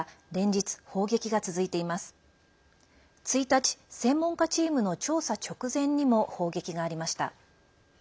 １日、専門家チームの調査直前にも砲撃がありました。